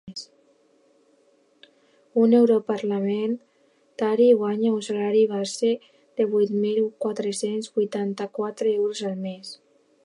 Un europarlamentari guanya un salari base de vuit mil quatre-cents vuitanta-quatre euros al mes.